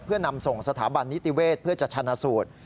เพื่อนำส่งสถาบันนิติเวศเพื่อจะชนะสูตร